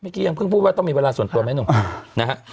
เมื่อกี้ยังเพิ่งพูดว่าต้องมีเวลาส่วนตัวไหมหนูนะครับ